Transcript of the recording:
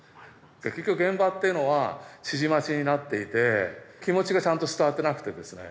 結局現場っていうのは指示待ちになっていて気持ちがちゃんと伝わってなくてですね。